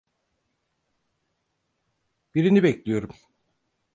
Birini bekliyorum.